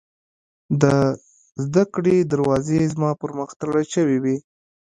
د زدکړې دروازې زما پر مخ تړل شوې وې